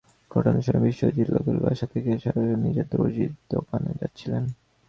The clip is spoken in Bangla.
ঘটনার সময় বিশ্বজিৎ লক্ষ্মীবাজারের বাসা থেকে শাঁখারীবাজারে নিজের দর্জি দোকানে যাচ্ছিলেন।